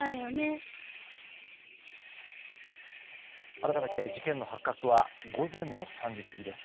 改めて事件の発覚は午前の３時過ぎです。